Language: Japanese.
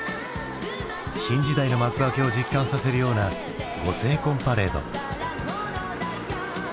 新時代の幕開けを実感させるようなご成婚パレード。